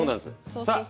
そうそうそう。